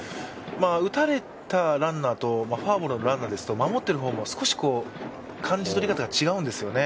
打たれたランナーとフォアボールのランナーですと、守ってる方も少し感じとり方が違うんですよね。